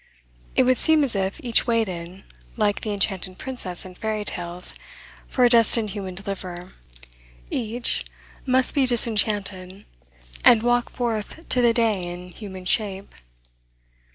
It would seem as if each waited, like the enchanted princess in fairy tales, for a destined human deliverer. Each must be disenchanted, and walk forth to the day in human shape.